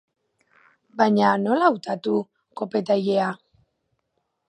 Baina nola hautatu kopeta-ilea?